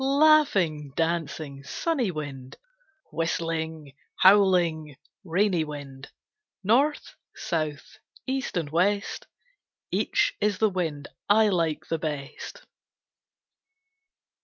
Laughing, dancing, sunny wind, Whistling, howling, rainy wind, North, South, East and West, Each is the wind I like the best.